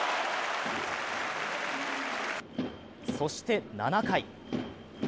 そして７回。